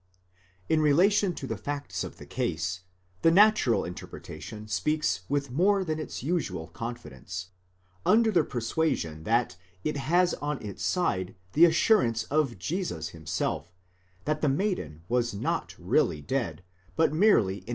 ® In relation to the facts of the case, the natural interpretation speaks with more than its usual confidence, under the persuasion that it has on its side the assurance of Jesus himself, that the maiden was not really dead, but merely ἴῃ.